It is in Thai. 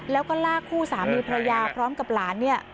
แล้วก็ลากคู่สามีภรรยาพร้อมกับหลานเนี่ย